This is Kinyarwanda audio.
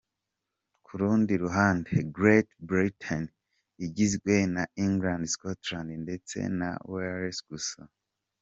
Ku rundi ruhande, Great Britain igizwe na England, Scotland ndetse na Wales gusa.